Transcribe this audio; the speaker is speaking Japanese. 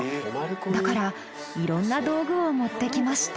だからいろんな道具を持ってきました。